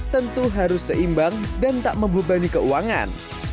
tentu harus seimbang dan tak membebani keuangan